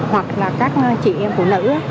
hoặc là các chị em phụ nữ